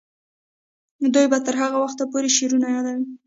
دوی به تر هغه وخته پورې شعرونه یادوي.